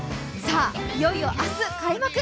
いよいよ明日開幕。